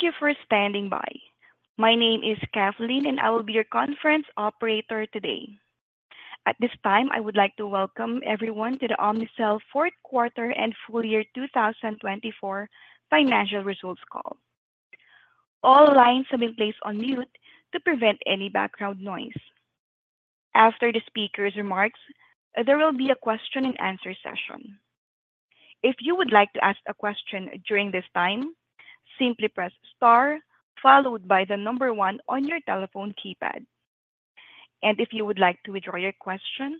Thank you for standing by. My name is Kathleen, and I will be your conference operator today. At this time, I would like to welcome everyone to the Omnicell Fourth Quarter and Full Year 2024 Financial Results Call. All lines have been placed on mute to prevent any background noise. After the speaker's remarks, there will be a question-and-answer session. If you would like to ask a question during this time, simply press star followed by the number one on your telephone keypad, and if you would like to withdraw your question,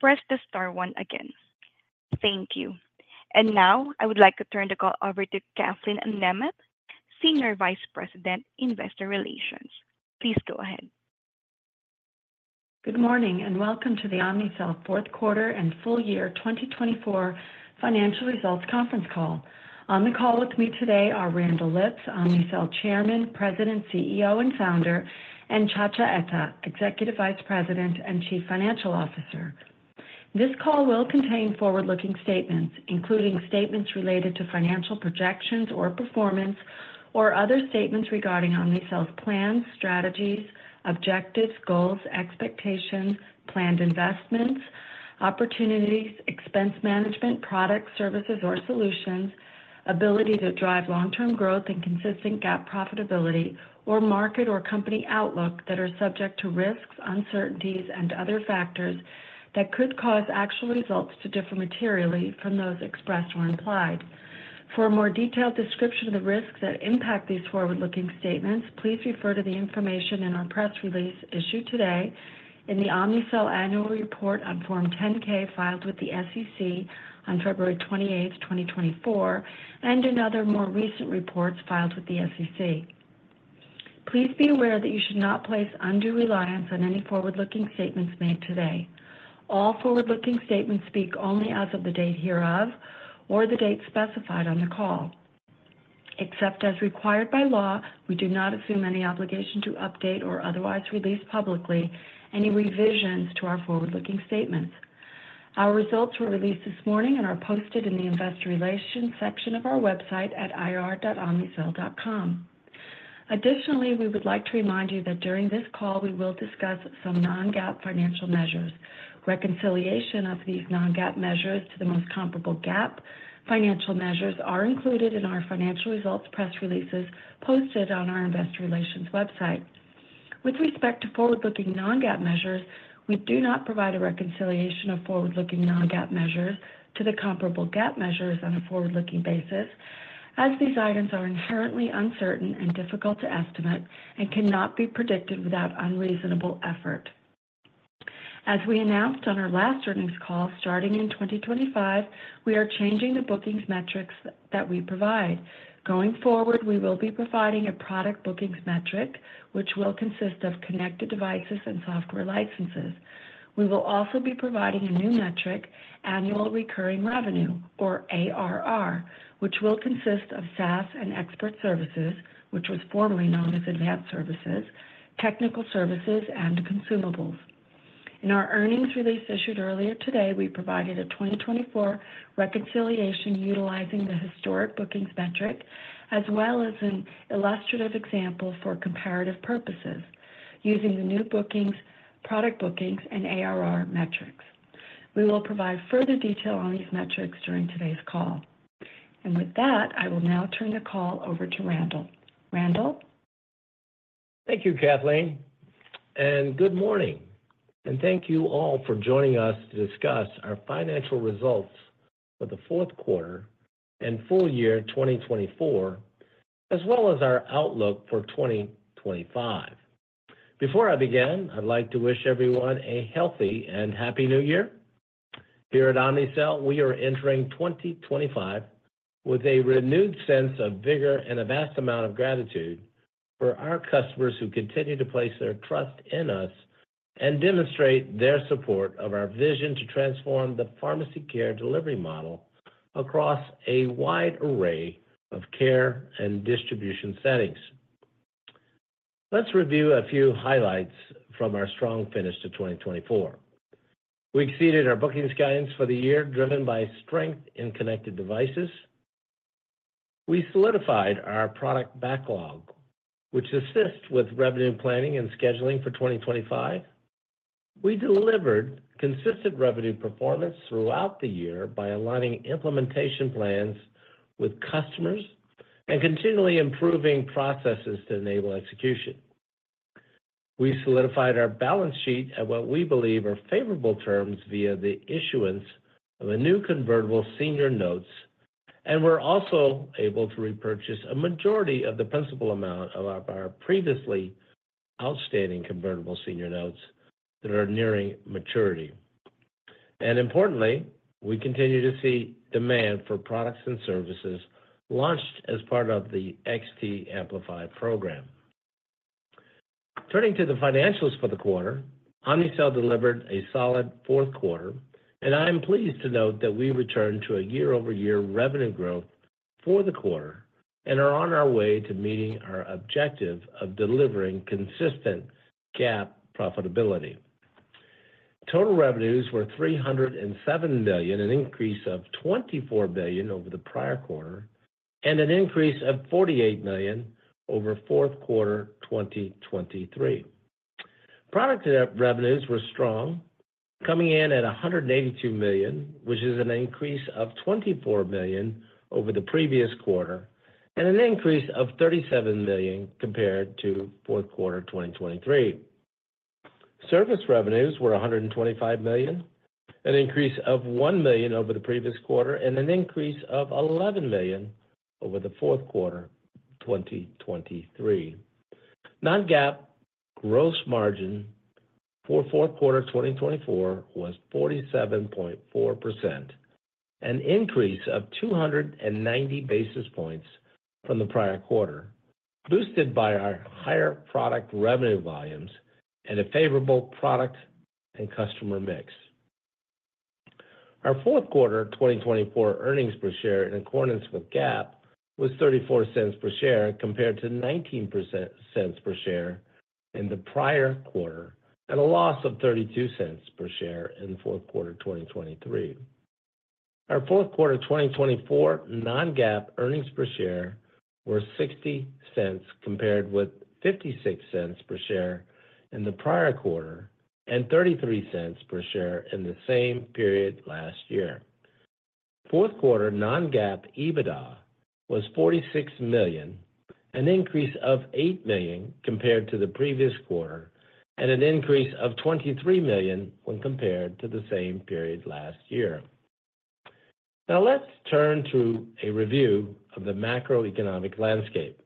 press the star one again. Thank you, and now, I would like to turn the call over to Kathleen Nemeth, Senior Vice President, Investor Relations. Please go ahead. Good morning and welcome to the Omnicell Fourth Quarter and Full Year 2024 financial results Conference Call. On the call with me today are Randall Lipps, Omnicell Chairman, President, CEO, and Founder, and Nchacha Etta, Executive Vice President and Chief Financial Officer. This call will contain forward-looking statements, including statements related to financial projections or performance or other statements regarding Omnicell's plans, strategies, objectives, goals, expectations, planned investments, opportunities, expense management, products, services, or solutions, ability to drive long-term growth and consistent GAAP profitability, or market or company outlook that are subject to risks, uncertainties, and other factors that could cause actual results to differ materially from those expressed or implied. For a more detailed description of the risks that impact these forward-looking statements, please refer to the information in our press release issued today, and in the Omnicell Annual Report on Form 10-K filed with the SEC on February 28, 2024, and in other more recent reports filed with the SEC. Please be aware that you should not place undue reliance on any forward-looking statements made today. All forward-looking statements speak only as of the date hereof or the date specified on the call. Except as required by law, we do not assume any obligation to update or otherwise release publicly any revisions to our forward-looking statements. Our results were released this morning and are posted in the Investor Relations section of our website at ir.omnicell.com. Additionally, we would like to remind you that during this call, we will discuss some non-GAAP financial measures. Reconciliation of these non-GAAP measures to the most comparable GAAP financial measures is included in our financial results press releases posted on our investor relations website. With respect to forward-looking non-GAAP measures, we do not provide a reconciliation of forward-looking non-GAAP measures to the comparable GAAP measures on a forward-looking basis, as these items are inherently uncertain and difficult to estimate and cannot be predicted without unreasonable effort. As we announced on our last earnings call starting in 2025, we are changing the bookings metrics that we provide. Going forward, we will be providing a product bookings metric, which will consist of connected devices and software licenses. We will also be providing a new metric, annual recurring revenue, or ARR, which will consist of SaaS and expert services, which was formerly known as advanced services, technical services, and consumables. In our earnings release issued earlier today, we provided a 2024 reconciliation utilizing the historic bookings metric, as well as an illustrative example for comparative purposes, using the new bookings, product bookings, and ARR metrics. We will provide further detail on these metrics during today's call. And with that, I will now turn the call over to Randall. Randall. Thank you, Kathleen. And good morning. And thank you all for joining us to discuss our Financial Results for the Fourth Quarter and Full Year 2024, as well as our outlook for 2025. Before I begin, I'd like to wish everyone a healthy and happy new year. Here at Omnicell, we are entering 2025 with a renewed sense of vigor and a vast amount of gratitude for our customers who continue to place their trust in us and demonstrate their support of our vision to transform the pharmacy care delivery model across a wide array of care and distribution settings. Let's review a few highlights from our strong finish to 2024. We exceeded our bookings guidance for the year, driven by strength in connected devices. We solidified our product backlog, which assists with revenue planning and scheduling for 2025. We delivered consistent revenue performance throughout the year by aligning implementation plans with customers and continually improving processes to enable execution. We solidified our balance sheet at what we believe are favorable terms via the issuance of a new convertible senior notes, and we're also able to repurchase a majority of the principal amount of our previously outstanding convertible senior notes that are nearing maturity. And importantly, we continue to see demand for products and services launched as part of the XT Amplify program. Turning to the financials for the quarter, Omnicell delivered a solid fourth quarter, and I am pleased to note that we returned to a year-over-year revenue growth for the quarter and are on our way to meeting our objective of delivering consistent GAAP profitability. Total revenues were $307 million, an increase of $24 million over the prior quarter, and an increase of $48 million over fourth quarter 2023. Product revenues were strong, coming in at $182 million, which is an increase of $24 million over the previous quarter, and an increase of $37 million compared to fourth quarter 2023. Service revenues were $125 million, an increase of $1 million over the previous quarter, and an increase of $11 million over the fourth quarter 2023. Non-GAAP gross margin for fourth quarter 2024 was 47.4%, an increase of 290 basis points from the prior quarter, boosted by our higher product revenue volumes and a favorable product and customer mix. Our fourth quarter 2024 earnings per share, in accordance with GAAP, was $0.34 per share compared to $0.19 per share in the prior quarter, and a loss of $0.32 per share in fourth quarter 2023. Our fourth quarter 2024 non-GAAP earnings per share were $0.60 compared with $0.56 per share in the prior quarter and $0.33 per share in the same period last year. Fourth quarter non-GAAP EBITDA was $46 million, an increase of $8 million compared to the previous quarter, and an increase of $23 million when compared to the same period last year. Now, let's turn to a review of the macroeconomic landscape.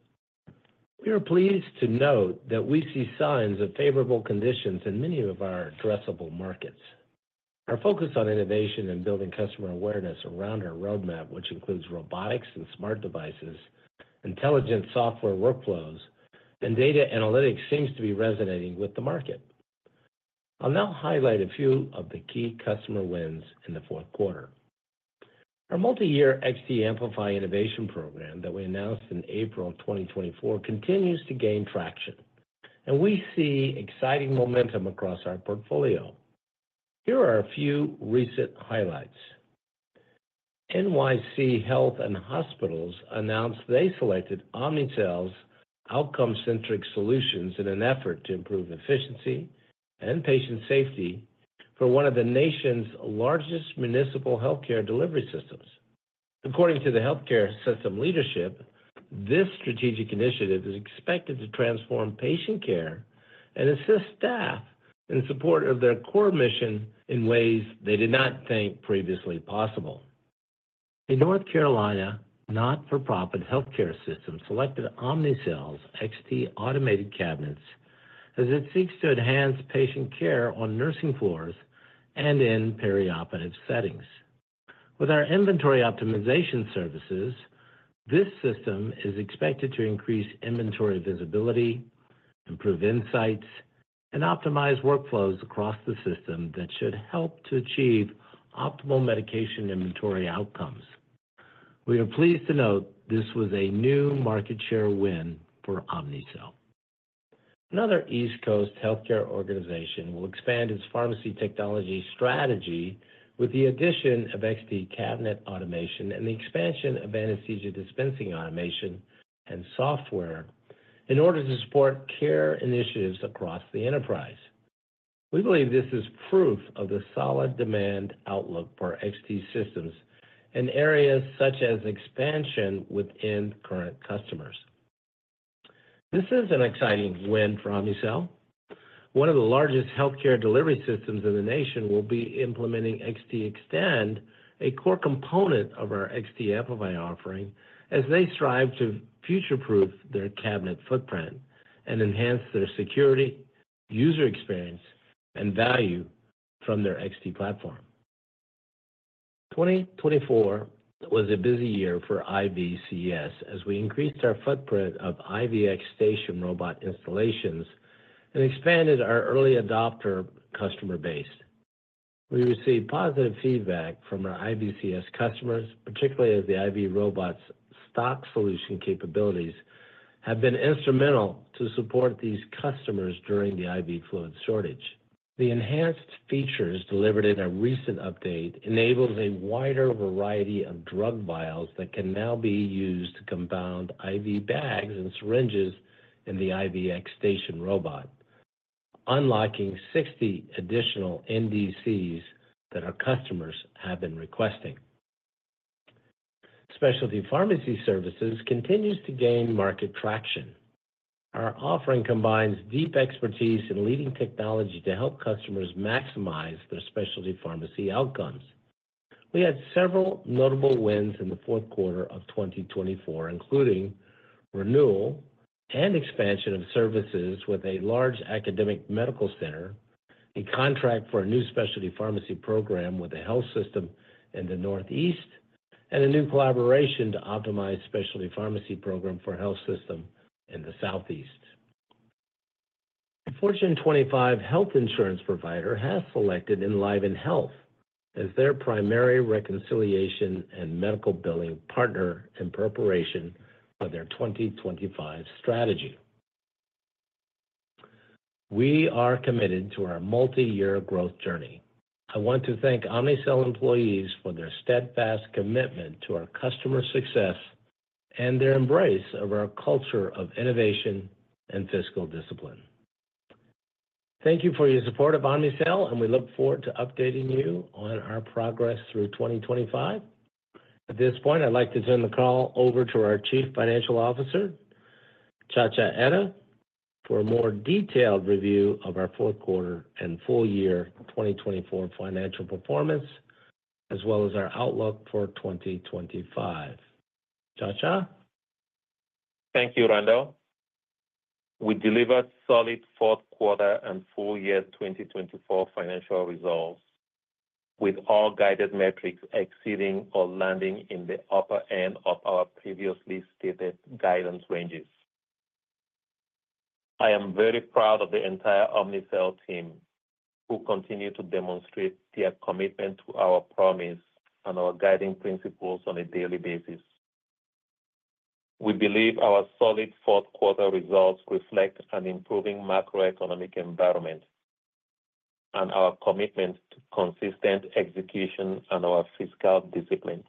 We are pleased to note that we see signs of favorable conditions in many of our addressable markets. Our focus on innovation and building customer awareness around our roadmap, which includes robotics and smart devices, intelligent software workflows, and data analytics, seems to be resonating with the market. I'll now highlight a few of the key customer wins in the fourth quarter. Our multi-year XT Amplify innovation program that we announced in April 2024 continues to gain traction, and we see exciting momentum across our portfolio. Here are a few recent highlights. NYC Health and Hospitals announced they selected Omnicell's outcome-centric solutions in an effort to improve efficiency and patient safety for one of the nation's largest municipal healthcare delivery systems. According to the healthcare system leadership, this strategic initiative is expected to transform patient care and assist staff in support of their core mission in ways they did not think previously possible. A North Carolina not-for-profit healthcare system selected Omnicell's XT automated cabinets as it seeks to enhance patient care on nursing floors and in perioperative settings. With our inventory optimization services, this system is expected to increase inventory visibility, improve insights, and optimize workflows across the system that should help to achieve optimal medication inventory outcomes. We are pleased to note this was a new market share win for Omnicell. Another East Coast healthcare organization will expand its pharmacy technology strategy with the addition of XT cabinet automation and the expansion of anesthesia dispensing automation and software in order to support care initiatives across the enterprise. We believe this is proof of the solid demand outlook for XT systems in areas such as expansion within current customers. This is an exciting win for Omnicell. One of the largest healthcare delivery systems in the nation will be implementing XTExtend, a core component of our XT Amplify offering, as they strive to future-proof their cabinet footprint and enhance their security, user experience, and value from their XT platform. 2024 was a busy year for IVCS as we increased our footprint of IVX Station robot installations and expanded our early adopter customer base. We received positive feedback from our IVCS customers, particularly as the IV robot's stock solution capabilities have been instrumental to support these customers during the IV fluid shortage. The enhanced features delivered in a recent update enable a wider variety of drug vials that can now be used to compound IV bags and syringes in the IVX Station robot, unlocking 60 additional NDCs that our customers have been requesting. Specialty pharmacy services continue to gain market traction. Our offering combines deep expertise and leading technology to help customers maximize their specialty pharmacy outcomes. We had several notable wins in the fourth quarter of 2024, including renewal and expansion of services with a large academic medical center, a contract for a new specialty pharmacy program with a health system in the Northeast, and a new collaboration to optimize specialty pharmacy program for a health system in the Southeast. The Fortune 25 health insurance provider has selected EnlivenHealth as their primary reconciliation and medical billing partner in preparation for their 2025 strategy. We are committed to our multi-year growth journey. I want to thank Omnicell employees for their steadfast commitment to our customer success and their embrace of our culture of innovation and fiscal discipline. Thank you for your support of Omnicell, and we look forward to updating you on our progress through 2025. At this point, I'd like to turn the call over to our Chief Financial Officer, Kathleen Nemeth, for a more detailed review of our fourth quarter and full year 2024 financial performance, as well as our outlook for 2025. Nchacha? Thank you, Randall. We delivered solid fourth quarter and full year 2024 financial results, with all guided metrics exceeding or landing in the upper end of our previously stated guidance ranges. I am very proud of the entire Omnicell team, who continue to demonstrate their commitment to our promise and our guiding principles on a daily basis. We believe our solid fourth quarter results reflect an improving macroeconomic environment and our commitment to consistent execution and our fiscal discipline.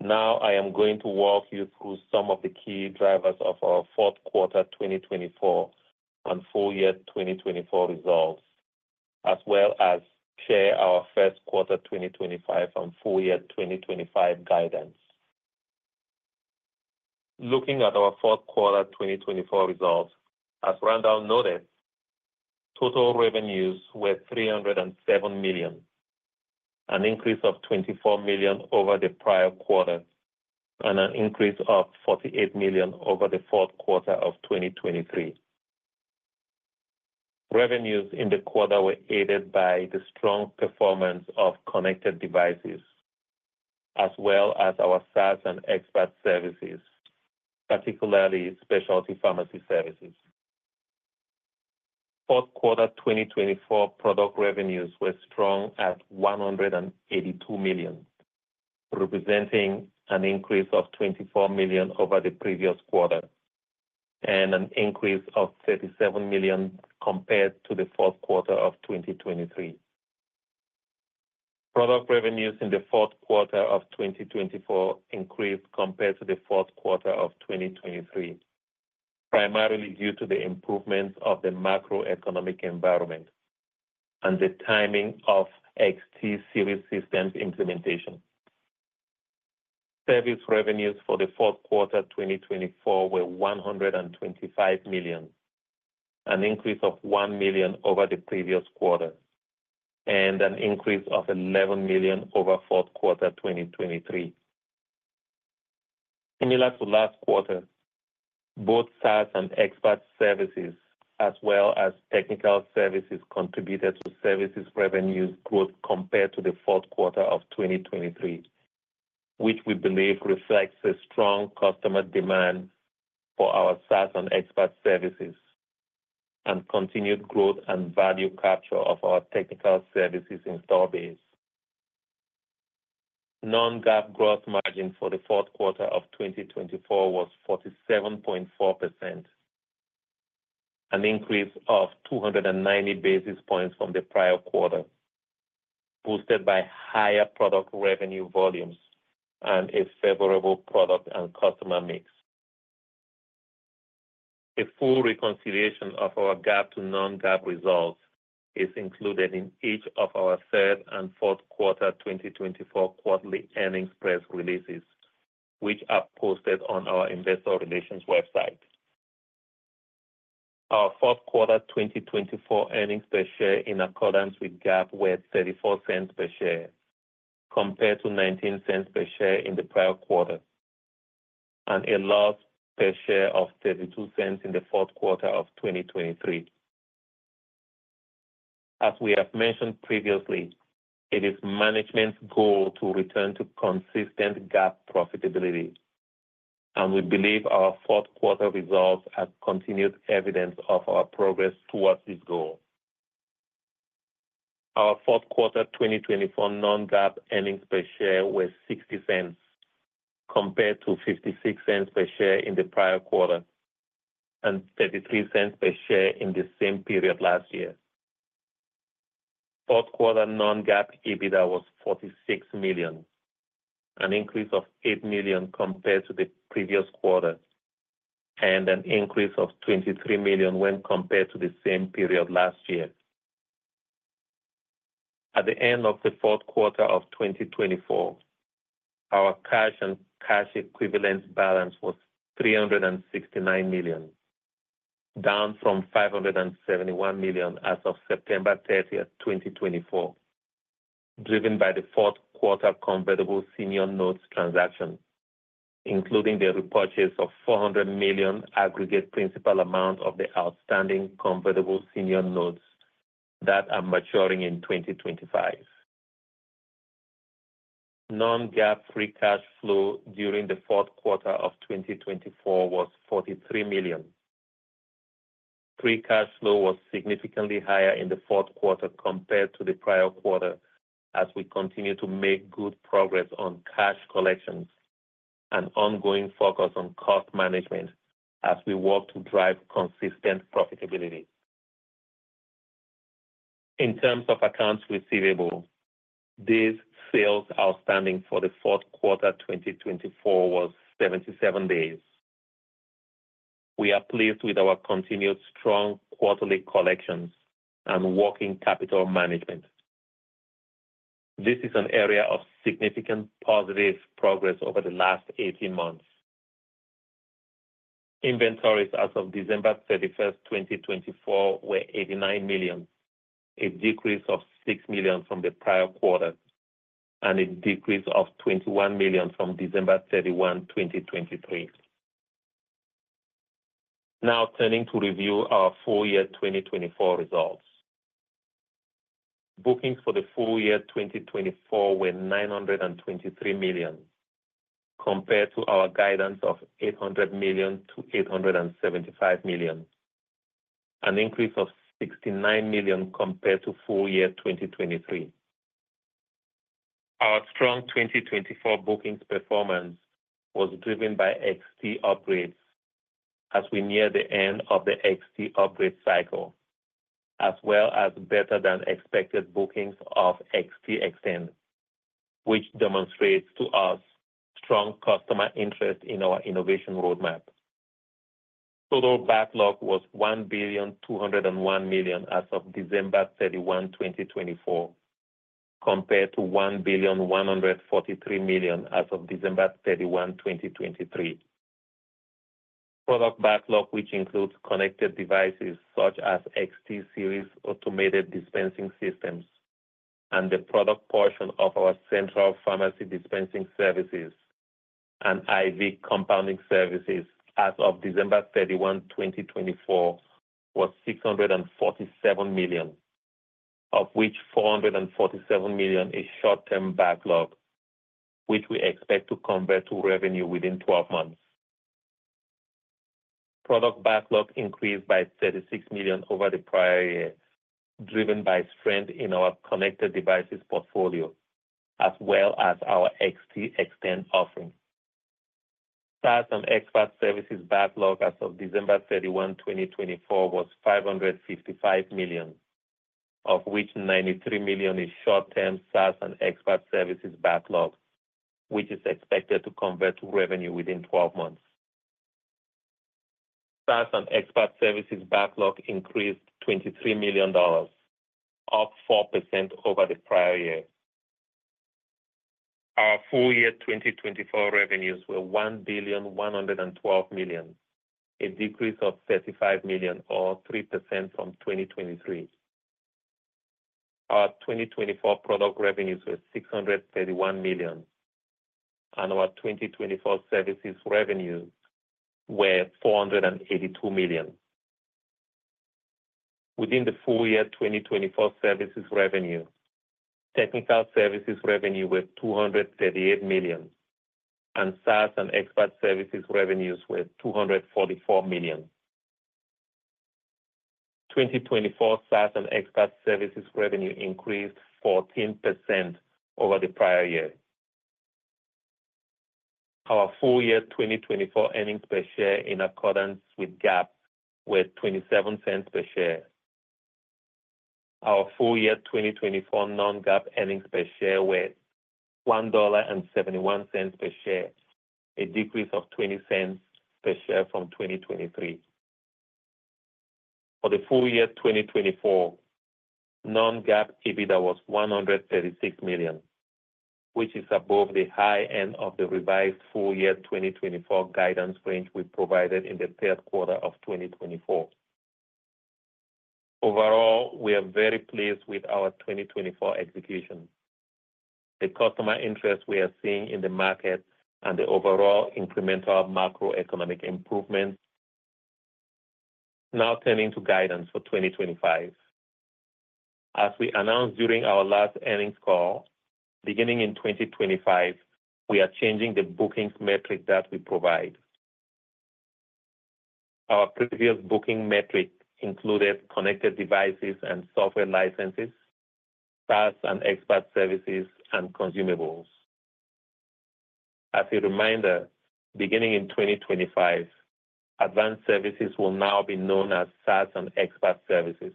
Now, I am going to walk you through some of the key drivers of our fourth quarter 2024 and full year 2024 results, as well as share our first quarter 2025 and full year 2025 guidance. Looking at our fourth quarter 2024 results, as Randall noted, total revenues were $307 million, an increase of $24 million over the prior quarter, and an increase of $48 million over the fourth quarter of 2023. Revenues in the quarter were aided by the strong performance of connected devices, as well as our SaaS and expert services, particularly specialty pharmacy services. Fourth quarter 2024 product revenues were strong at $182 million, representing an increase of $24 million over the previous quarter and an increase of $37 million compared to the fourth quarter of 2023. Product revenues in the fourth quarter of 2024 increased compared to the fourth quarter of 2023, primarily due to the improvements of the macroeconomic environment and the timing of XT series systems implementation. Service revenues for the fourth quarter 2024 were $125 million, an increase of $1 million over the previous quarter, and an increase of $11 million over fourth quarter 2023. Similar to last quarter, both SaaS and expert services, as well as technical services, contributed to services revenues growth compared to the fourth quarter of 2023, which we believe reflects a strong customer demand for our SaaS and expert services and continued growth and value capture of our technical services in storebase. Non-GAAP gross margin for the fourth quarter of 2024 was 47.4%, an increase of 290 basis points from the prior quarter, boosted by higher product revenue volumes and a favorable product and customer mix. A full reconciliation of our GAAP to non-GAAP results is included in each of our third and fourth quarter 2024 quarterly earnings press releases, which are posted on our investor relations website. Our fourth quarter 2024 earnings per share in accordance with GAAP were $0.34 per share compared to $0.19 per share in the prior quarter, and a loss per share of $0.32 in the fourth quarter of 2023. As we have mentioned previously, it is management's goal to return to consistent GAAP profitability, and we believe our fourth quarter results are continued evidence of our progress towards this goal. Our fourth quarter 2024 non-GAAP earnings per share were $0.60 compared to $0.56 per share in the prior quarter and $0.33 per share in the same period last year. Fourth quarter non-GAAP EBITDA was $46 million, an increase of $8 million compared to the previous quarter, and an increase of $23 million when compared to the same period last year. At the end of the fourth quarter of 2024, our cash and cash equivalent balance was $369 million, down from $571 million as of September 30th, 2024, driven by the fourth quarter convertible senior notes transaction, including the repurchase of $400 million aggregate principal amount of the outstanding convertible senior notes that are maturing in 2025. Non-GAAP free cash flow during the fourth quarter of 2024 was $43 million. Free cash flow was significantly higher in the fourth quarter compared to the prior quarter, as we continue to make good progress on cash collections and ongoing focus on cost management as we work to drive consistent profitability. In terms of accounts receivable, days sales outstanding for the fourth quarter 2024 was 77 days. We are pleased with our continued strong quarterly collections and working capital management. This is an area of significant positive progress over the last 18 months. Inventories as of December 31st, 2024, were $89 million, a decrease of $6 million from the prior quarter, and a decrease of $21 million from December 31, 2023. Now, turning to review our full year 2024 results. Bookings for the full year 2024 were $923 million compared to our guidance of $800 million-$875 million, an increase of $69 million compared to full year 2023. Our strong 2024 bookings performance was driven by XT upgrades as we near the end of the XT upgrade cycle, as well as better-than-expected bookings of XTExtend, which demonstrates to us strong customer interest in our innovation roadmap. Total backlog was $1,201 million as of December 31, 2024, compared to $1,143 million as of December 31, 2023. Product backlog, which includes connected devices such as XT series automated dispensing systems and the product portion of our central pharmacy dispensing services and IV compounding services as of December 31, 2024, was $647 million, of which $447 million is short-term backlog, which we expect to convert to revenue within 12 months. Product backlog increased by $36 million over the prior year, driven by strength in our connected devices portfolio, as well as our XTExtend offering. SaaS and expert services backlog as of December 31, 2024, was $555 million, of which $93 million is short-term SaaS and expert services backlog, which is expected to convert to revenue within 12 months. SaaS and expert services backlog increased $23 million, up 4% over the prior year. Our full year 2024 revenues were $1,112 million, a decrease of $35 million, or 3% from 2023. Our 2024 product revenues were $631 million, and our 2024 services revenues were $482 million. Within the full year 2024 services revenue, technical services revenue was $238 million, and SaaS and expert services revenues were $244 million. 2024 SaaS and expert services revenue increased 14% over the prior year. Our full year 2024 earnings per share in accordance with GAAP were $0.27 per share. Our full year 2024 non-GAAP earnings per share was $1.71 per share, a decrease of $0.20 per share from 2023. For the full year 2024, non-GAAP EBITDA was $136 million, which is above the high end of the revised full year 2024 guidance range we provided in the third quarter of 2024. Overall, we are very pleased with our 2024 execution, the customer interest we are seeing in the market and the overall incremental macroeconomic improvements. Now, turning to guidance for 2025. As we announced during our last earnings call, beginning in 2025, we are changing the bookings metric that we provide. Our previous booking metric included connected devices and software licenses, SaaS and expert services, and consumables. As a reminder, beginning in 2025, advanced services will now be known as SaaS and expert services.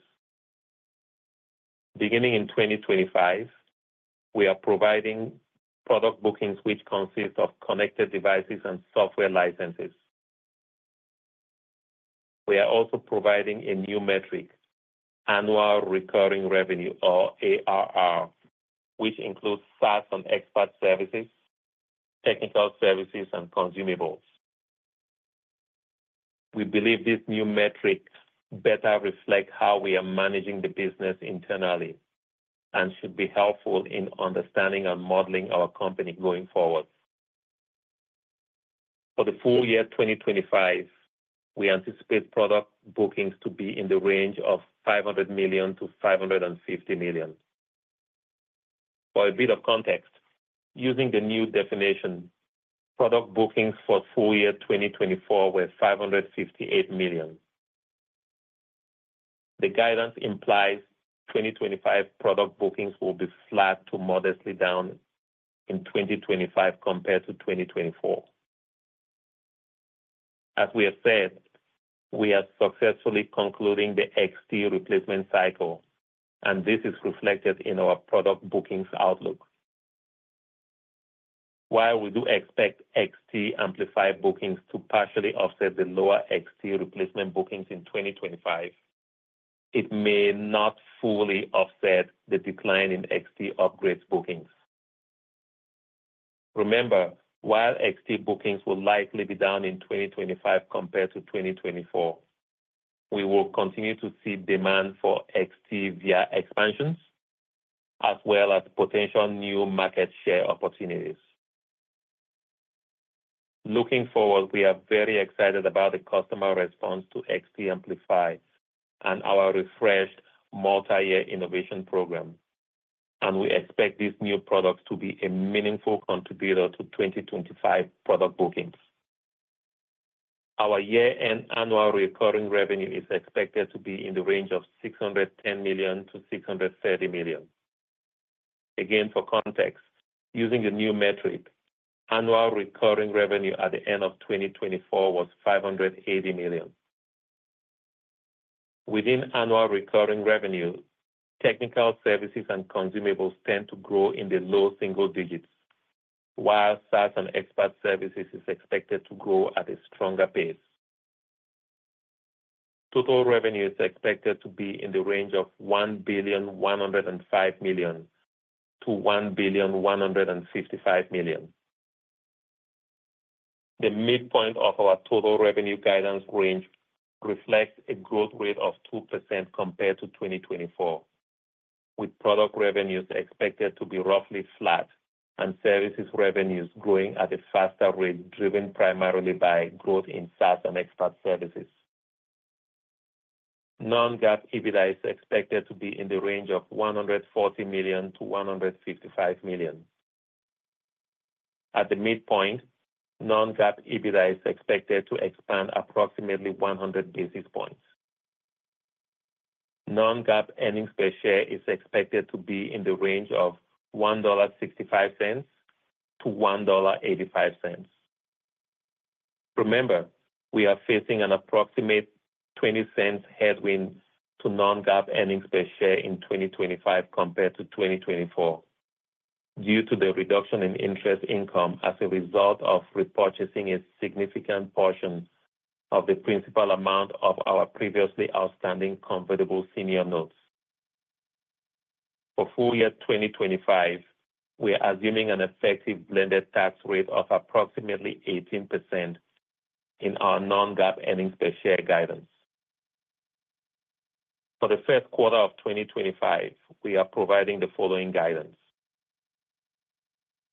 Beginning in 2025, we are providing product bookings, which consist of connected devices and software licenses. We are also providing a new metric, annual recurring revenue, or ARR, which includes SaaS and expert services, technical services, and consumables. We believe this new metric better reflects how we are managing the business internally and should be helpful in understanding and modeling our company going forward. For the full year 2025, we anticipate product bookings to be in the range of $500 million-$550 million. For a bit of context, using the new definition, product bookings for full year 2024 were $558 million. The guidance implies 2025 product bookings will be flat to modestly down in 2025 compared to 2024. As we have said, we are successfully concluding the XT replacement cycle, and this is reflected in our product bookings outlook. While we do expect XT Amplify bookings to partially offset the lower XT replacement bookings in 2025, it may not fully offset the decline in XT upgrade bookings. Remember, while XT bookings will likely be down in 2025 compared to 2024, we will continue to see demand for XT via expansions, as well as potential new market share opportunities. Looking forward, we are very excited about the customer response to XT Amplify and our refreshed multi-year innovation program, and we expect this new product to be a meaningful contributor to 2025 product bookings. Our year-end annual recurring revenue is expected to be in the range of $610 million-$630 million. Again, for context, using the new metric, annual recurring revenue at the end of 2024 was $580 million. Within annual recurring revenue, technical services and consumables tend to grow in the low single digits, while SaaS and expert services are expected to grow at a stronger pace. Total revenue is expected to be in the range of $1,105 million-$1,155 million. The midpoint of our total revenue guidance range reflects a growth rate of 2% compared to 2024, with product revenues expected to be roughly flat and services revenues growing at a faster rate, driven primarily by growth in SaaS and expert services. Non-GAAP EBITDA is expected to be in the range of $140 million-$155 million. At the midpoint, Non-GAAP EBITDA is expected to expand approximately 100 basis points. Non-GAAP earnings per share is expected to be in the range of $1.65-$1.85. Remember, we are facing an approximate $0.20 headwind to non-GAAP earnings per share in 2025 compared to 2024 due to the reduction in interest income as a result of repurchasing a significant portion of the principal amount of our previously outstanding convertible senior notes. For full year 2025, we are assuming an effective blended tax rate of approximately 18% in our non-GAAP earnings per share guidance. For the first quarter of 2025, we are providing the following guidance.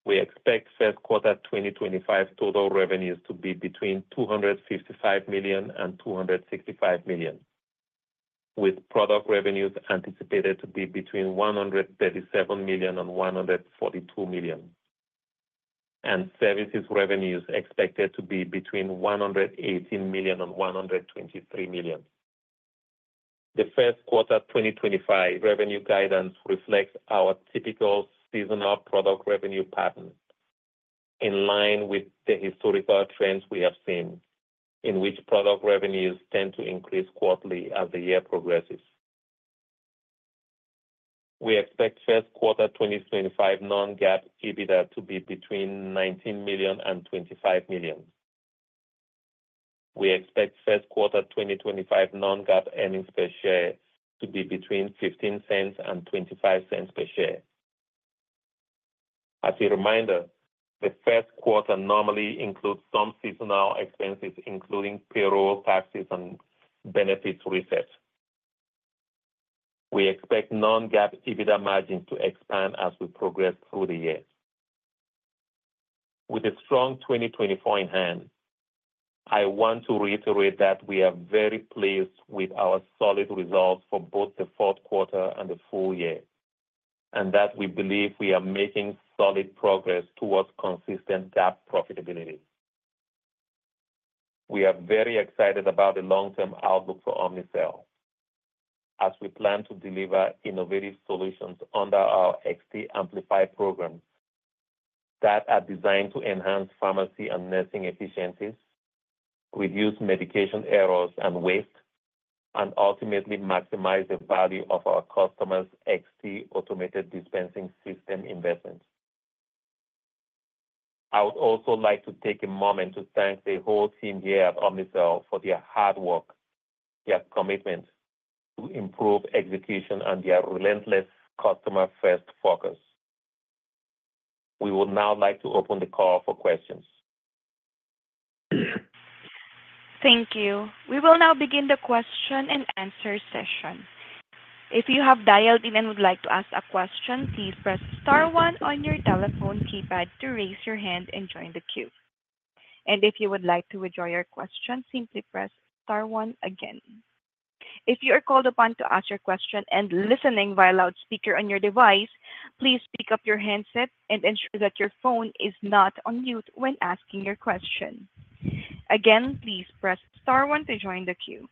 We expect first quarter 2025 total revenues to be between $255 million and $265 million, with product revenues anticipated to be between $137 million and $142 million, and services revenues expected to be between $118 million and $123 million. The first quarter 2025 revenue guidance reflects our typical seasonal product revenue pattern in line with the historical trends we have seen, in which product revenues tend to increase quarterly as the year progresses. We expect first quarter 2025 non-GAAP EBITDA to be between $19 million and $25 million. We expect first quarter 2025 non-GAAP earnings per share to be between $0.15 and $0.25 per share. As a reminder, the first quarter normally includes some seasonal expenses, including payroll, taxes, and benefits reset. We expect non-GAAP EBITDA margins to expand as we progress through the year. With a strong 2024 in hand, I want to reiterate that we are very pleased with our solid results for both the fourth quarter and the full year, and that we believe we are making solid progress towards consistent GAAP profitability. We are very excited about the long-term outlook for Omnicell, as we plan to deliver innovative solutions under our XT Amplify programs that are designed to enhance pharmacy and nursing efficiencies, reduce medication errors and waste, and ultimately maximize the value of our customers' XT automated dispensing system investments. I would also like to take a moment to thank the whole team here at Omnicell for their hard work, their commitment to improve execution, and their relentless customer-first focus. We would now like to open the call for questions. Thank you. We will now begin the question and answer session. If you have dialed in and would like to ask a question, please press star one on your telephone keypad to raise your hand and join the queue. And if you would like to withdraw your question, simply press star one again. If you are called upon to ask your question and listening via loudspeaker on your device, please pick up your handset and ensure that your phone is not on mute when asking your question. Again, please press star one to join the queue.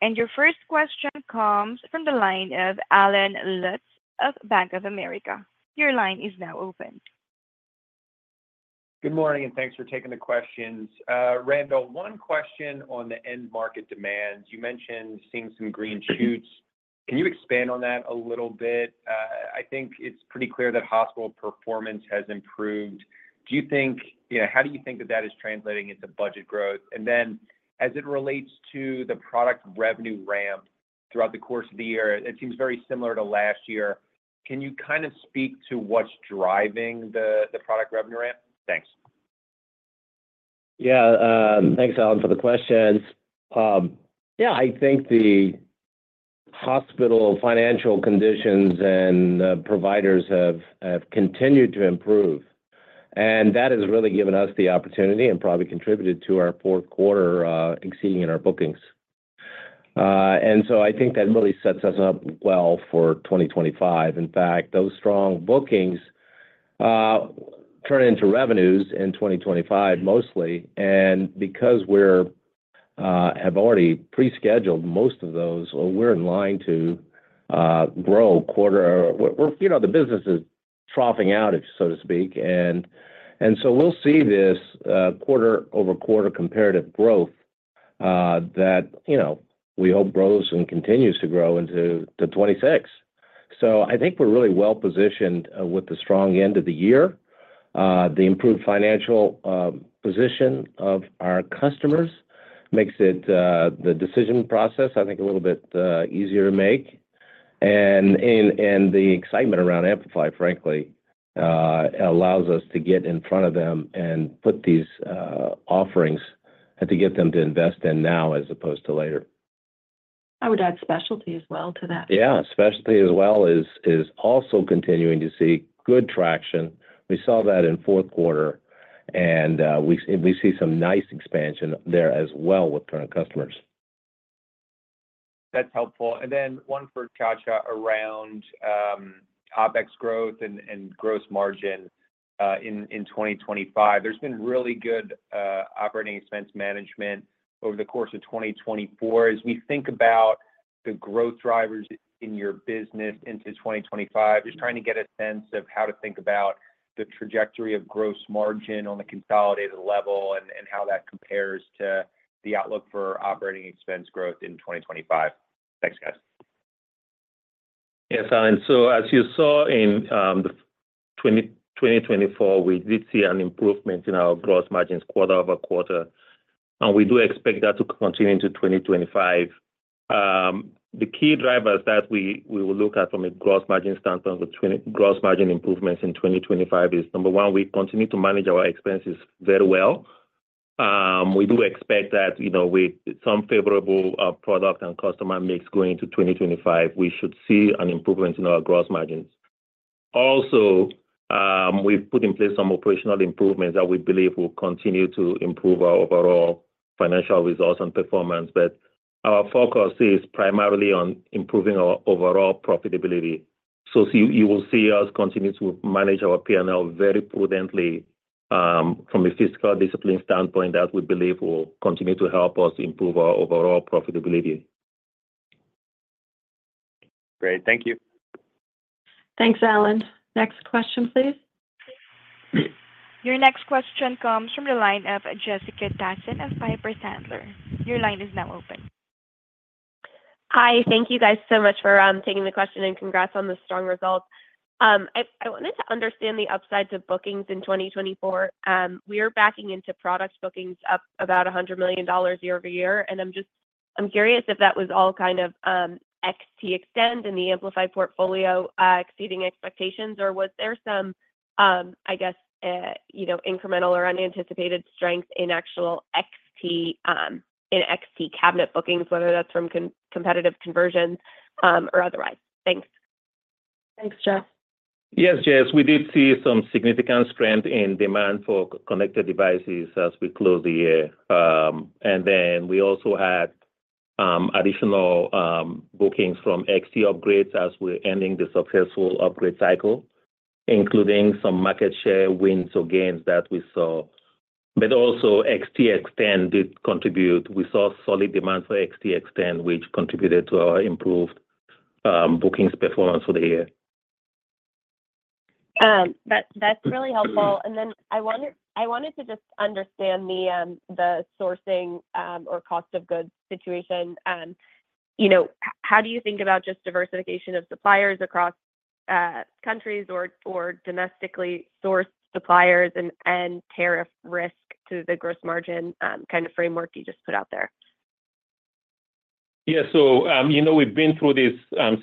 And your first question comes from the line of Allen Lutz of Bank of America. Your line is now open. Good morning, and thanks for taking the questions. Randall, one question on the end market demand. You mentioned seeing some green shoots. Can you expand on that a little bit? I think it's pretty clear that hospital performance has improved. Do you think, how do you think that that is translating into budget growth? And then, as it relates to the product revenue ramp throughout the course of the year, it seems very similar to last year. Can you kind of speak to what's driving the product revenue ramp? Thanks. Yeah. Thanks, Alan, for the questions. Yeah, I think the hospital financial conditions and providers have continued to improve. And that has really given us the opportunity and probably contributed to our fourth quarter exceeding our bookings. And so I think that really sets us up well for 2025. In fact, those strong bookings turn into revenues in 2025 mostly. And because we have already pre-scheduled most of those, we're in line to grow quarter over quarter. The business is troughing out, so to speak. And so we'll see this quarter-over-quarter comparative growth that we hope grows and continues to grow into 2026. So I think we're really well positioned with the strong end of the year. The improved financial position of our customers makes the decision process, I think, a little bit easier to make. The excitement around Amplify, frankly, allows us to get in front of them and put these offerings and to get them to invest in now as opposed to later. I would add specialty as well to that. Yeah. Specialty as well is also continuing to see good traction. We saw that in fourth quarter, and we see some nice expansion there as well with current customers. That's helpful. One for Nchacha around OpEx growth and gross margin in 2025. There's been really good operating expense management over the course of 2024. As we think about the growth drivers in your business into 2025, just trying to get a sense of how to think about the trajectory of gross margin on the consolidated level and how that compares to the outlook for operating expense growth in 2025. Thanks, guys. Yes, Allen. So, as you saw in 2024, we did see an improvement in our gross margins quarter over quarter, and we do expect that to continue into 2025. The key drivers that we will look at from a gross margin standpoint with gross margin improvements in 2025 is, number one, we continue to manage our expenses very well. We do expect that with some favorable product and customer mix going into 2025, we should see an improvement in our gross margins. Also, we've put in place some operational improvements that we believe will continue to improve our overall financial results and performance. But our focus is primarily on improving our overall profitability. So you will see us continue to manage our P&L very prudently from a fiscal discipline standpoint that we believe will continue to help us improve our overall profitability. Great. Thank you. Thanks, Alan. Next question, please. Your next question comes from the line of Jessica Tassan of Piper Sandler. Your line is now open. Hi. Thank you, guys, so much for taking the question and congrats on the strong results. I wanted to understand the upside to bookings in 2024. We are backing into product bookings up about $100 million year over year. And I'm curious if that was all kind of XTExtend and the XT Amplify portfolio exceeding expectations, or was there some, I guess, incremental or unanticipated strength in actual XT cabinet bookings, whether that's from competitive conversions or otherwise? Thanks. Thanks, Jess. Yes, Jess. We did see some significant strength in demand for connected devices as we close the year. And then we also had additional bookings from XT upgrades as we're ending the successful upgrade cycle, including some market share wins or gains that we saw. But also, XTExtend did contribute. We saw solid demand for XTExtend, which contributed to our improved bookings performance for the year. That's really helpful. And then I wanted to just understand the sourcing or cost of goods situation. How do you think about just diversification of suppliers across countries or domestically sourced suppliers and tariff risk to the gross margin kind of framework you just put out there? Yeah. So we've been through this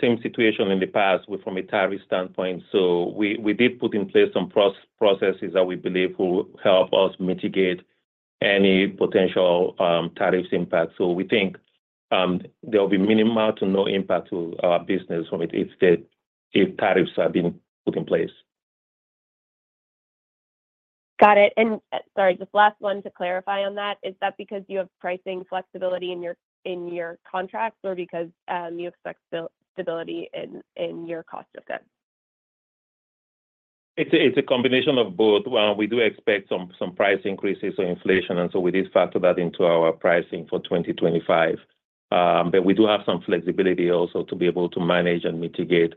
same situation in the past from a tariff standpoint. So we did put in place some processes that we believe will help us mitigate any potential tariffs impact. So we think there will be minimal to no impact to our business if tariffs are being put in place. Got it. And sorry, just last one to clarify on that. Is that because you have pricing flexibility in your contracts or because you expect stability in your cost of goods? It's a combination of both. We do expect some price increases or inflation. And so we did factor that into our pricing for 2025. But we do have some flexibility also to be able to manage and mitigate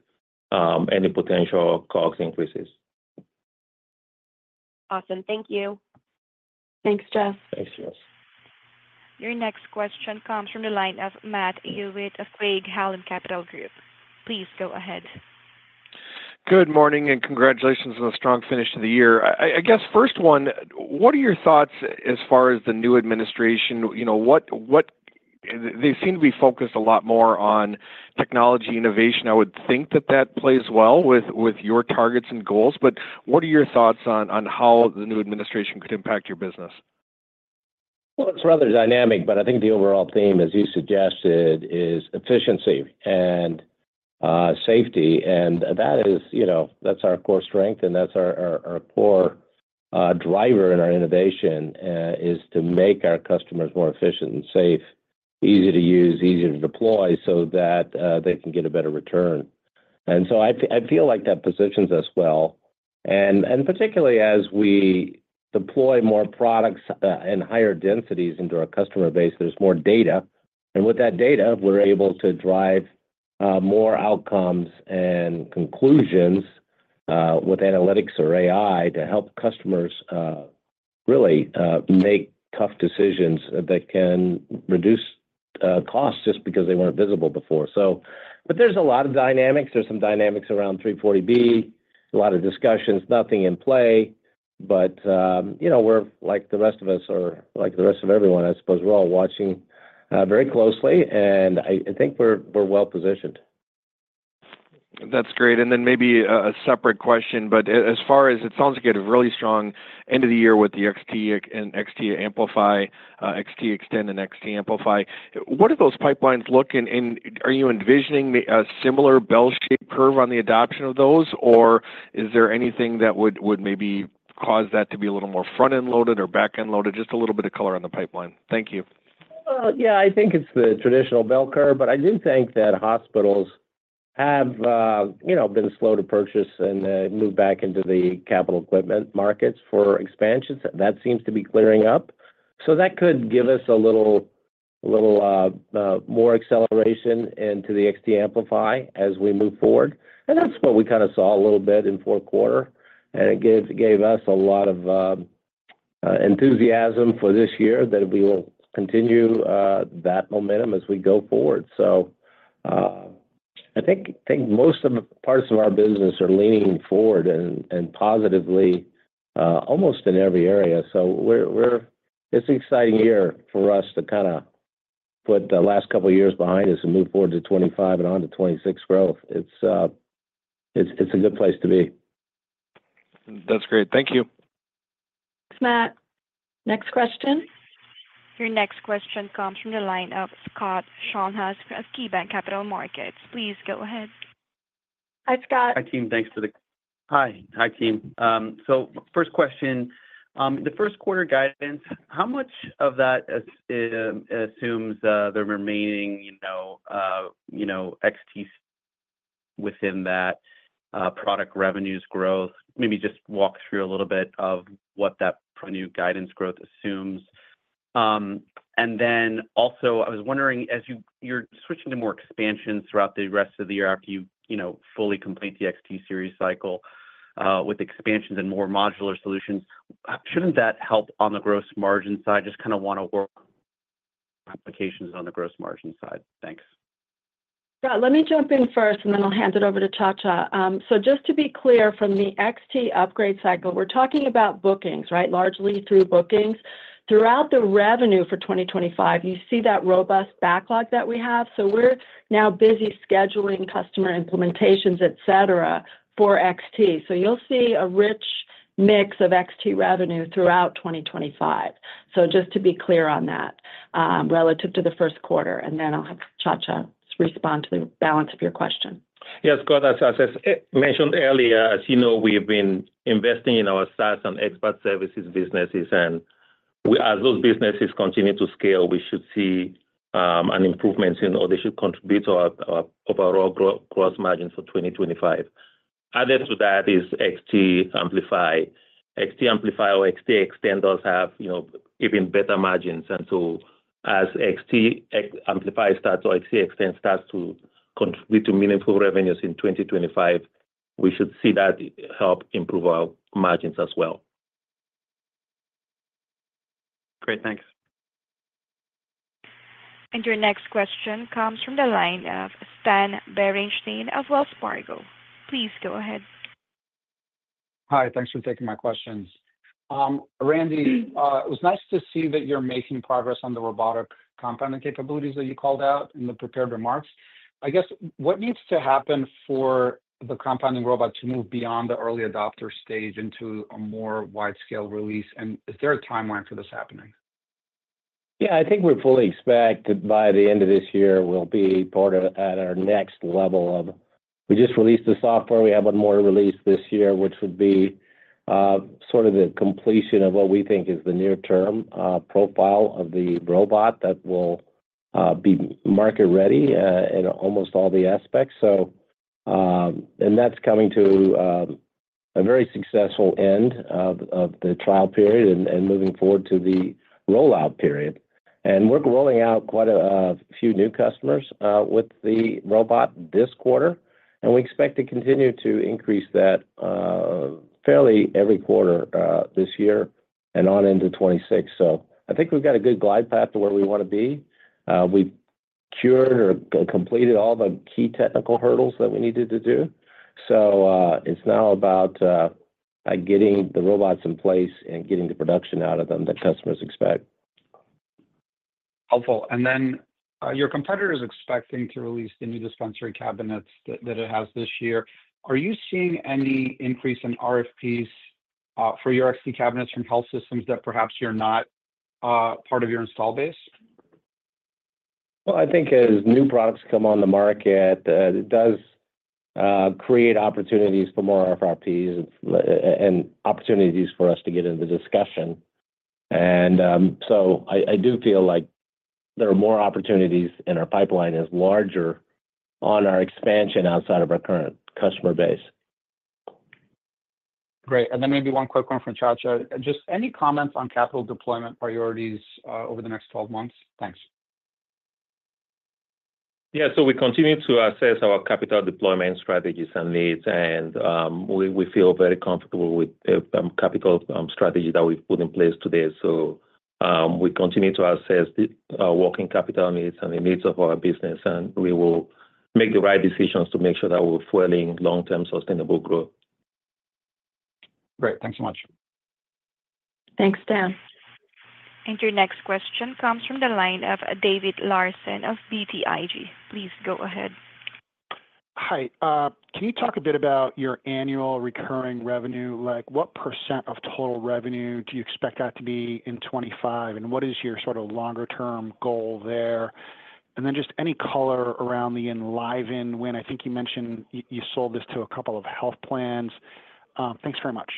any potential COGS increases. Awesome. Thank you. Thanks, Jess. Thanks, Jess. Your next question comes from the line of Matt Hewitt of Craig-Hallum Capital Group. Please go ahead. Good morning and congratulations on a strong finish to the year. I guess, first one, what are your thoughts as far as the new administration? They seem to be focused a lot more on technology innovation. I would think that that plays well with your targets and goals. But what are your thoughts on how the new administration could impact your business? Well, it's rather dynamic, but I think the overall theme, as you suggested, is efficiency and safety. And that is, you know, that's our core strength, and that's our core driver in our innovation, is to make our customers more efficient and safe, easy to use, easy to deploy so that they can get a better return. So I feel like that positions us well. Particularly as we deploy more products and higher densities into our customer base, there's more data. With that data, we're able to drive more outcomes and conclusions with analytics or AI to help customers really make tough decisions that can reduce costs just because they weren't visible before. There's a lot of dynamics. Some dynamics around 340B, a lot of discussions, nothing in play. We're like the rest of us or like the rest of everyone, I suppose. We're all watching very closely, and I think we're well positioned. That's great. And then, maybe a separate question, but as far as it sounds like, you had a really strong end of the year with the XT and XT Amplify, XTExtend, and XT Amplify. What do those pipelines look? And are you envisioning a similar bell-shaped curve on the adoption of those, or is there anything that would maybe cause that to be a little more front-end loaded or back-end loaded? Just a little bit of color on the pipeline. Thank you. Yeah, I think it's the traditional bell curve, but I do think that hospitals have been slow to purchase and move back into the capital equipment markets for expansions. That seems to be clearing up. So that could give us a little more acceleration into the XT Amplify as we move forward. And that's what we kind of saw a little bit in fourth quarter. And it gave us a lot of enthusiasm for this year that we will continue that momentum as we go forward. So I think most of the parts of our business are leaning forward and positively almost in every area. So it's an exciting year for us to kind of put the last couple of years behind us and move forward to 2025 and on to 2026 growth. It's a good place to be. That's great. Thank you. Thanks, Matt. Next question. Your next question comes from the line of Scott Schoenhaus, KeyBanc Capital Markets. Please go ahead. Hi, Scott. Hi, team. Thanks for the, hi. Hi, team. So first question, the first quarter guidance, how much of that assumes the remaining XT within that product revenues growth? Maybe just walk through a little bit of what that new guidance growth assumes. And then also, I was wondering, as you're switching to more expansions throughout the rest of the year after you fully complete the XT series cycle with expansions and more modular solutions, shouldn't that help on the gross margin side? Just kind of want to work applications on the gross margin side. Thanks. Let me jump in first, and then I'll hand it over to Nchacha. So just to be clear, from the XT upgrade cycle, we're talking about bookings, right? Largely through bookings. Throughout the revenue for 2025, you see that robust backlog that we have. So we're now busy scheduling customer implementations, etc., for XT. So you'll see a rich mix of XT revenue throughout 2025. So just to be clear on that relative to the first quarter. And then I'll have Nchacha respond to the balance of your question. Yes, Scott, as I mentioned earlier, as you know, we've been investing in our SaaS and expert services businesses. And as those businesses continue to scale, we should see an improvement in, or they should contribute to our overall gross margin for 2025. Added to that is XT Amplify. XT Amplify or XTExtend, those have even better margins. And so as XT Amplify starts or XTExtend starts to contribute to meaningful revenues in 2025, we should see that help improve our margins as well. Great. Thanks. And your next question comes from the line of Stan Berenshteyn of Wells Fargo. Please go ahead. Hi. Thanks for taking my questions. Randy, it was nice to see that you're making progress on the robotic compounding capabilities that you called out in the prepared remarks. I guess, what needs to happen for the compounding robot to move beyond the early adopter stage into a more wide-scale release? And is there a timeline for this happening? Yeah, I think we fully expect that by the end of this year, we'll be part of at our next level of we just released the software. We have one more release this year, which would be sort of the completion of what we think is the near-term profile of the robot that will be market-ready in almost all the aspects. And that's coming to a very successful end of the trial period and moving forward to the rollout period. And we're rolling out quite a few new customers with the robot this quarter. And we expect to continue to increase that fairly every quarter this year and on into 2026. I think we've got a good glide path to where we want to be. We've cured or completed all the key technical hurdles that we needed to do. It's now about getting the robots in place and getting the production out of them that customers expect. Helpful. Your competitor is expecting to release the new dispensary cabinets that it has this year. Are you seeing any increase in RFPs for your XT cabinets from health systems that perhaps you're not part of your install base? Well, I think as new products come on the market, it does create opportunities for more RFPs and opportunities for us to get into discussion. So I do feel like there are more opportunities in our pipeline as larger on our expansion outside of our current customer base. Great. Maybe one quick one from Nchacha. Just any comments on capital deployment priorities over the next 12 months? Thanks. Yeah. So we continue to assess our capital deployment strategies and needs. And we feel very comfortable with the capital strategy that we've put in place today. So we continue to assess the working capital needs and the needs of our business. And we will make the right decisions to make sure that we're fueling long-term sustainable growth. Great. Thanks so much. Thanks, Dan. And your next question comes from the line of David Larsen of BTIG. Please go ahead. Hi. Can you talk a bit about your annual recurring revenue? What % of total revenue do you expect that to be in 2025? And what is your sort of longer-term goal there? And then just any color around the Enliven win. I think you mentioned you sold this to a couple of health plans. Thanks very much.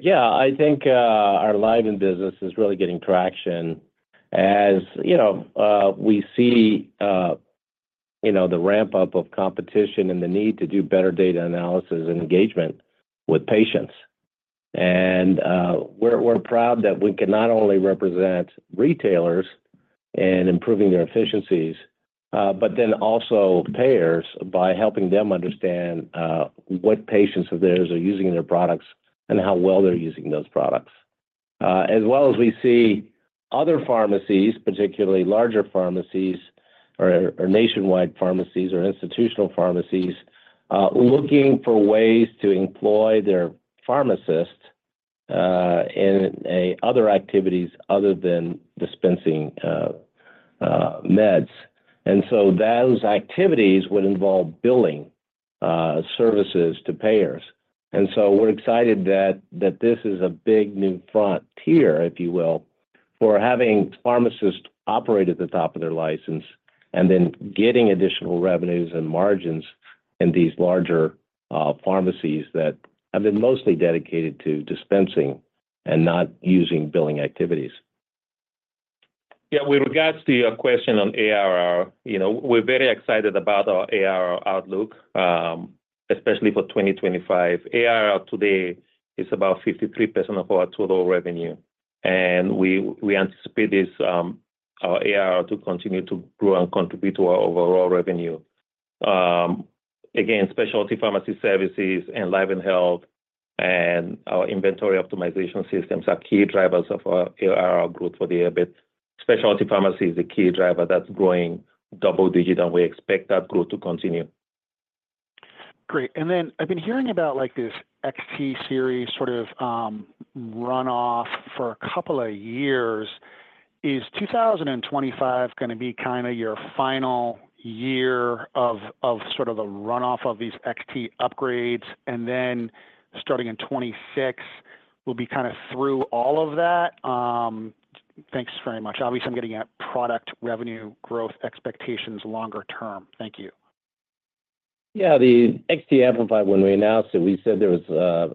Yeah. I think our Enliven business is really getting traction as we see the ramp-up of competition and the need to do better data analysis and engagement with patients, and we're proud that we can not only represent retailers in improving their efficiencies, but then also payers by helping them understand what patients of theirs are using their products and how well they're using those products, as well as we see other pharmacies, particularly larger pharmacies or nationwide pharmacies or institutional pharmacies looking for ways to employ their pharmacists in other activities other than dispensing meds, and so those activities would involve billing services to payers. And so we're excited that this is a big new frontier, if you will, for having pharmacists operate at the top of their license and then getting additional revenues and margins in these larger pharmacies that have been mostly dedicated to dispensing and not using billing activities. Yeah. With regards to your question on ARR, we're very excited about our ARR outlook, especially for 2025. ARR today is about 53% of our total revenue. And we anticipate our ARR to continue to grow and contribute to our overall revenue. Again, specialty pharmacy services, EnlivenHealth, and our inventory optimization systems are key drivers of our ARR growth for the year. But specialty pharmacy is a key driver that's growing double-digit, and we expect that growth to continue. Great. And then I've been hearing about this XT series sort of runoff for a couple of years. Is 2025 going to be kind of your final year of sort of the runoff of these XT upgrades? And then starting in 2026, we'll be kind of through all of that. Thanks very much. Obviously, I'm getting at product revenue growth expectations longer term. Thank you. Yeah. The XT Amplify, when we announced it, we said there was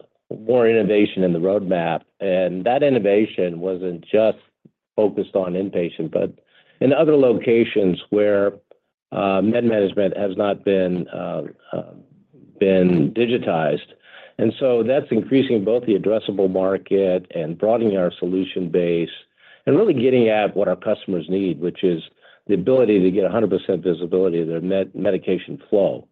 more innovation in the roadmap. And that innovation wasn't just focused on inpatient, but in other locations where med management has not been digitized. And so that's increasing both the addressable market and broadening our solution base and really getting at what our customers need, which is the ability to get 100% visibility of their medication flow.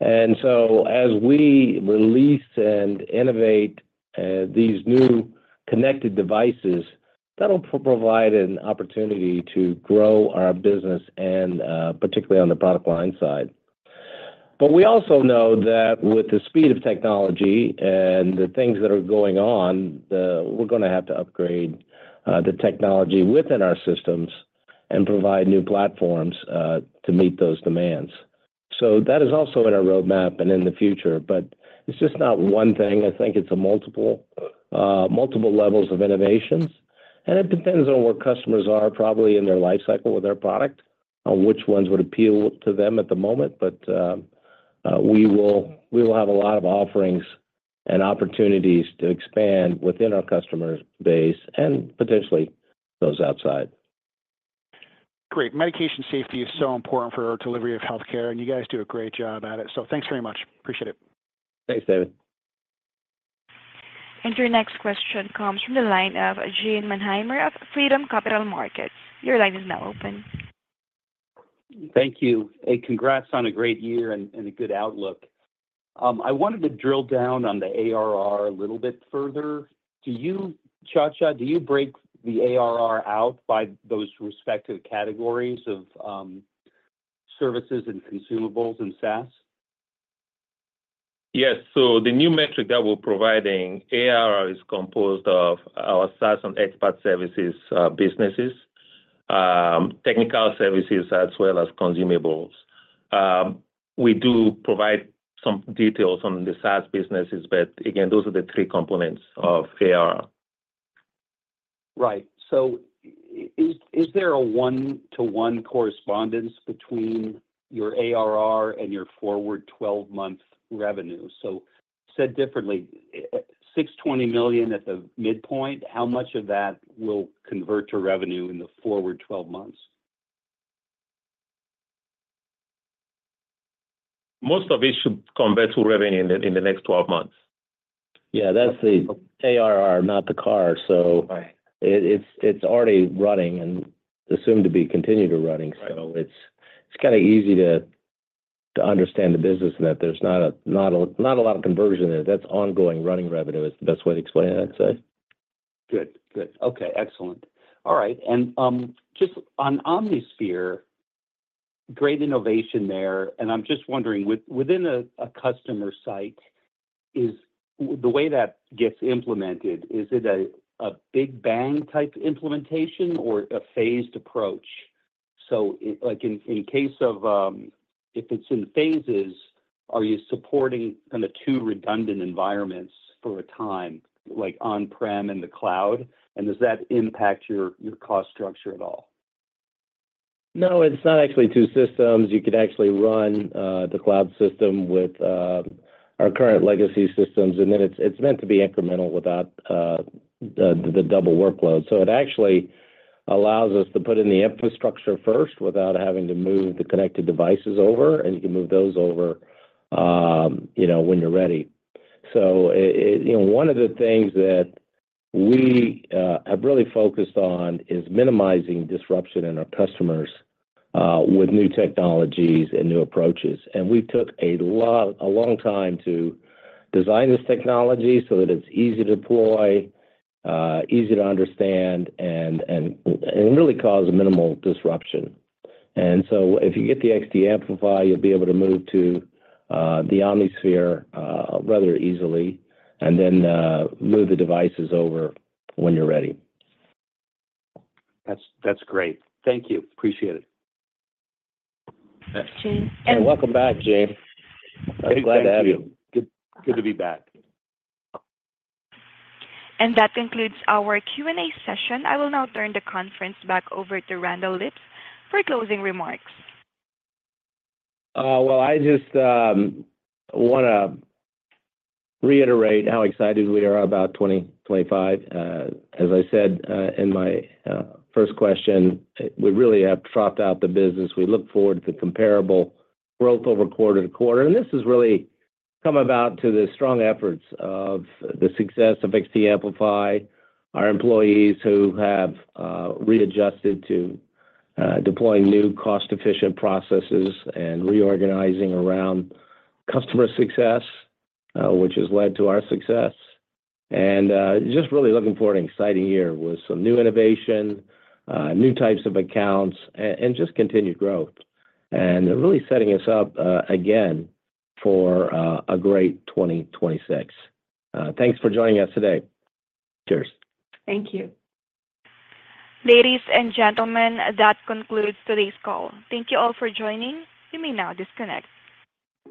And so as we release and innovate these new connected devices, that'll provide an opportunity to grow our business, particularly on the product line side. But we also know that with the speed of technology and the things that are going on, we're going to have to upgrade the technology within our systems and provide new platforms to meet those demands. So that is also in our roadmap and in the future. but it's just not one thing. I think it's multiple levels of innovations. and it depends on where customers are probably in their lifecycle with their product, which ones would appeal to them at the moment. but we will have a lot of offerings and opportunities to expand within our customer base and potentially those outside. Great. Medication safety is so important for our delivery of healthcare, and you guys do a great job at it. so thanks very much. Appreciate it. Thanks, David. And your next question comes from the line of Gene Mannheimer of Freedom Capital Markets. Your line is now open. Thank you. Hey, congrats on a great year and a good outlook. I wanted to drill down on the ARR a little bit further. Nchacha, do you break the ARR out by those respective categories of services and consumables and SaaS? Yes. So the new metric that we're providing, ARR is composed of our SaaS and expert services businesses, technical services, as well as consumables. We do provide some details on the SaaS businesses, but again, those are the three components of ARR. Right. So is there a one-to-one correspondence between your ARR and your forward 12-month revenue? So said differently, $620 million at the midpoint, how much of that will convert to revenue in the forward 12 months? Most of it should convert to revenue in the next 12 months. Yeah. That's the ARR, not the car. It's already running and assumed to be continued running. So it's kind of easy to understand the business that there's not a lot of conversion. That's ongoing running revenue is the best way to explain it, I'd say. Good. Good. Okay. Excellent. All right. And just on OmniSphere, great innovation there. And I'm just wondering, within a customer site, the way that gets implemented, is it a big bang type implementation or a phased approach? So in case of if it's in phases, are you supporting kind of two redundant environments for a time, like on-prem and the cloud? And does that impact your cost structure at all? No, it's not actually two systems. You could actually run the cloud system with our current legacy systems. And then it's meant to be incremental without the double workload. So it actually allows us to put in the infrastructure first without having to move the connected devices over. And you can move those over when you're ready. So one of the things that we have really focused on is minimizing disruption in our customers with new technologies and new approaches. And we took a long time to design this technology so that it's easy to deploy, easy to understand, and really cause minimal disruption. And so if you get the XT Amplify, you'll be able to move to the OmniSphere rather easily and then move the devices over when you're ready. That's great. Thank you. Appreciate it. Thanks, Gene. And welcome back, Gene. Glad to have you. Good to be back. And that concludes our Q&A session. I will now turn the conference back over to Randall Lipps for closing remarks. I just want to reiterate how excited we are about 2025. As I said in my first question, we really have troughed out the business. We look forward to comparable growth over quarter to quarter. This has really come about to the strong efforts of the success of XT Amplify, our employees who have readjusted to deploying new cost-efficient processes and reorganizing around customer success, which has led to our success. Just really looking forward to an exciting year with some new innovation, new types of accounts, and just continued growth. Really setting us up again for a great 2026. Thanks for joining us today. Cheers. Thank you. Ladies and gentlemen, that concludes today's call. Thank you all for joining. You may now disconnect.